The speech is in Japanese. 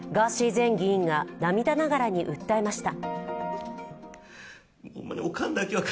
前議員が涙ながらに訴えました。